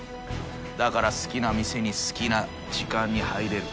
だから好きな店に好きな時間に入れる。